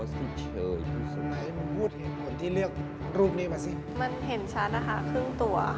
นี่คือเลือกเองด้วยตัวเอง